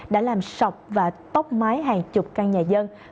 đã làm sọc và tóc mái hàng chục căn nhà dân